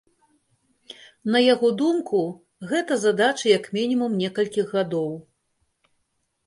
На яго думку, гэта задача як мінімум некалькіх гадоў.